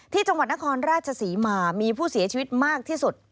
ที่จังหวัดนครราชศรีมามีผู้เสียชีวิตมากที่สุด